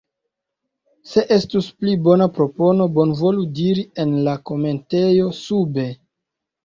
Se estus pli bona propono, bonvolu diri en la komentejo sube.